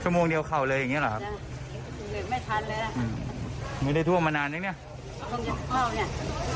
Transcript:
ชั่วโมงเดียวเข่าเลยอย่างนี้หรอไม่ทันเลยไม่ได้ท่วมมานานนึงเนี่ยต้องยึดเข้าเนี่ย